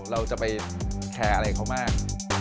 เราจะไปแคร์อะไรเขามาก